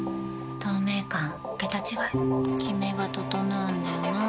透明感桁違いキメが整うんだよな。